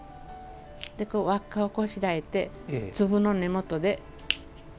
輪っかをこしらえて粒の根元で。